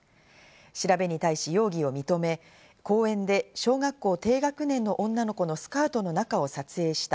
調べに対し容疑を認め、公園で小学校低学年の女の子のスカートの中を撮影した。